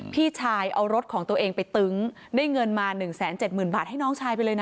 พี่ชายเอารถของตัวเองไปตึ้งได้เงินมา๑๗๐๐๐บาทให้น้องชายไปเลยนะ